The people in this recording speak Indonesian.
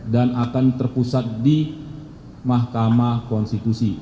dan akan terpusat di mahkamah konstitusi